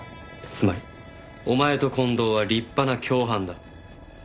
つまりお前と近藤は立派な共犯だ。